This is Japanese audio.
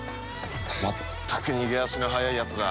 まったく逃げ足の速いやつだ。